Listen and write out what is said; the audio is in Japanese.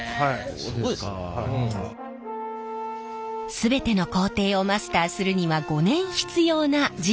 全ての工程をマスターするには５年必要なジーンズの縫製。